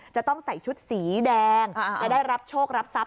จะต้องใส่ชุดสีแดงจะได้รับโชครับทรัพย